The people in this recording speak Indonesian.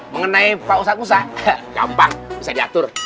mengenai pak usah usah gampang bisa diatur